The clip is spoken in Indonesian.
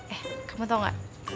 eh kamu tau gak